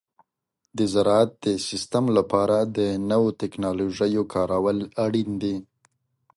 د زراعت د سیستم لپاره د نوو تکنالوژیو کارول اړین دي.